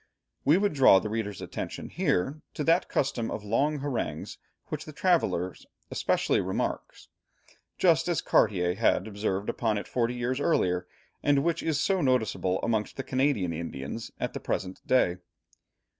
We would draw the reader's attention here, to that custom of long harangues which the traveller especially remarks, just as Cartier had observed upon it forty years earlier, and which is so noticeable amongst the Canadian Indians at the present day.